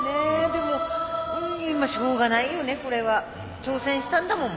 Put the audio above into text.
でもうんしょうがないよねこれは。挑戦したんだもん。